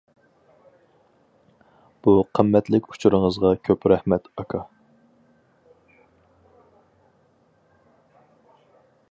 بۇ قىممەتلىك ئۇچۇرىڭىزغا كۆپ رەھمەت، ئاكا.